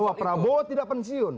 diberhentikan bukan pensiun